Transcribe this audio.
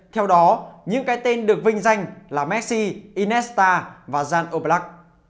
theo đó những cái tên được vinh danh là messi iniesta và jan oblak